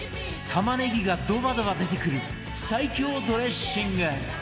玉ねぎがドバドバ出てくる最強ドレッシング